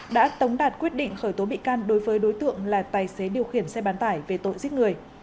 đã tống đạt quyết định khởi tố bị can đối với đối tượng là tài xế điều khiển xe bán tải về tội giết người